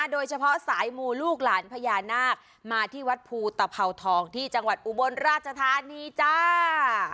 โดยเฉพาะสายมูลูกหลานพญานาคมาที่วัดภูตภาวทองที่จังหวัดอุบลราชธานีจ้า